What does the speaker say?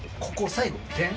最後の点。